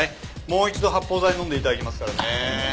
もう一度発泡剤のんでいただきますからね。